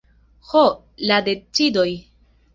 Ho, la decidoj!